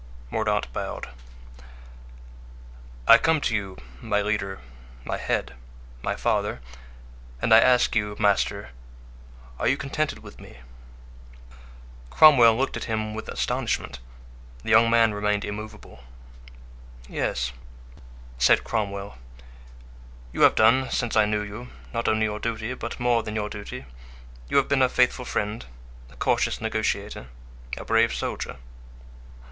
Mordaunt bowed. "I come to you, my leader, my head, my father, and I ask you, master, are you contented with me?" Cromwell looked at him with astonishment. The young man remained immovable. "Yes," said Cromwell; "you have done, since I knew you, not only your duty, but more than your duty; you have been a faithful friend, a cautious negotiator, a brave soldier."